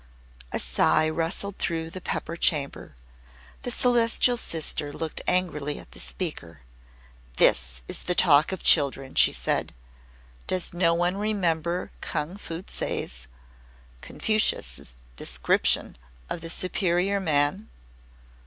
A sigh rustled through the Pepper Chamber. The Celestial Sister looked angrily at the speaker. "This is the talk of children," she said. "Does no one remember Kung fu tse's [Confucius] description of the Superior Man?"